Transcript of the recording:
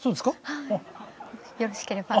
はいよろしければ。